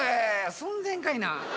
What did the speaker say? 寸前かいな。